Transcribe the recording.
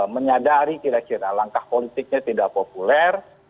menyadari kira kira langkah politiknya tidak populer